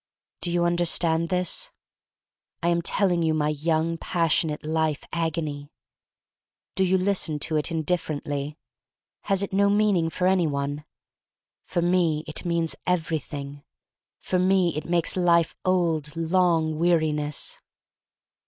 Do you understand this? I am telling you my young, passionate life agony? Do you listen to it indiffer ently? Has it no meaning for any one? For me it means everything. For me il makes life old, long, weariness.